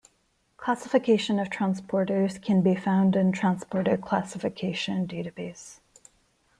Classification of transporters can be found in Transporter Classification Database.